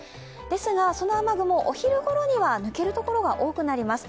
ですが、その雨雲、お昼ごろには抜けるところが多くなります。